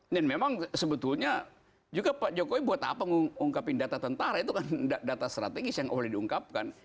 dan memang sebetulnya juga pak jokowi buat apa ngungkapin data tentara itu kan data strategis yang boleh diungkapkan